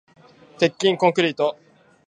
鉄筋コンクリート